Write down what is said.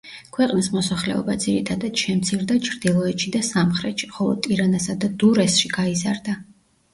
ქვეყნის მოსახლეობა ძირითადად შემცირდა ჩრდილოეთში და სამხრეთში, ხოლო ტირანასა და დურესში გაიზარდა.